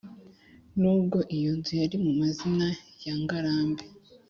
nubwo iyo nzu yari mu mazina ya ngarambe,